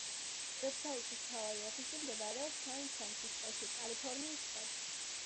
ვებსაიტის მთავარი ოფისი მდებარეობს სან-ფრანცისკოში, კალიფორნიის შტატში.